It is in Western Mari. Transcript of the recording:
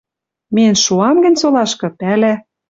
Миэн шоам гӹнь солашкы, пӓла